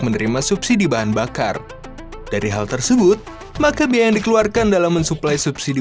menerima subsidi bahan bakar dari hal tersebut maka biaya yang dikeluarkan dalam mensuplai subsidi